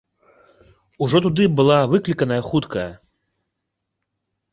Ужо туды была выкліканая хуткая.